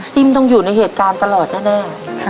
ซิ่มต้องอยู่ในเหตุการณ์ตลอดแน่